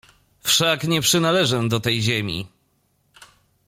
Wszak nie przynależę do tej ziemi!